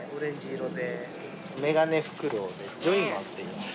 メガネフクロウでジョイマンっていいます。